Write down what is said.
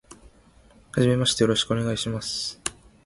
初めましてよろしくお願いします。